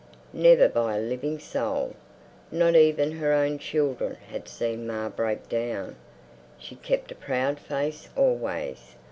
Never by a living soul. Not even her own children had seen Ma break down. She'd kept a proud face always.